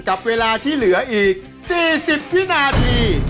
กับเวลาที่เหลืออีก๔๐วินาที